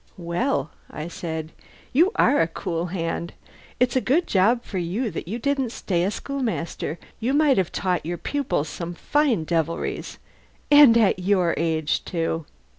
"Well!" I said. "You are a cool hand! It's a good job for you that you didn't stay a schoolmaster. You might have taught your pupils some fine deviltries! And at your age, too!"